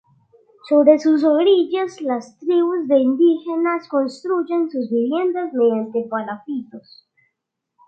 Sobre sus orillas las tribus de indígenas construyen sus viviendas mediante palafitos.